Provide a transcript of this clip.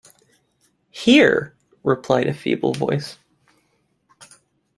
‘Here!’ replied a feeble voice.